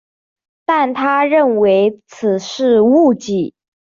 但是他人认为此是误记。